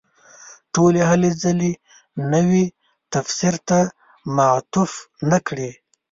ټولې هلې ځلې نوي تفسیر ته معطوف نه کړي.